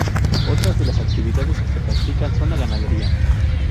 Otras de las actividades que se practican son la ganadería.